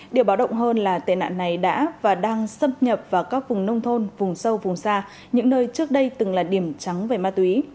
điều báo động hơn là tệ nạn này đã và đang xâm nhập vào các vùng nông thôn vùng sâu vùng xa những nơi trước đây từng là điểm trắng về ma túy